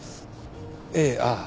ええ。ああ。